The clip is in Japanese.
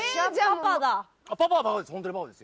パパはパパです。